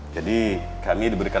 jadi kami diberikan